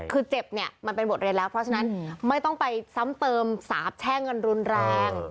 คือเจ็บเนี่ยมันเป็นบทเรียนแล้วเพราะฉะนั้นไม่ต้องไปซ้ำเติมสาบแช่งกันรุนแรง